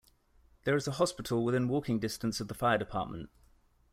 There is a hospital within walking distance of the fire department.